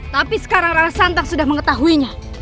tapi sekarang rara santang sudah mengetahuinya